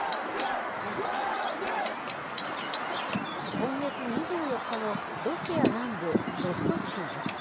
今月２４日のロシア南部ロストフ州です。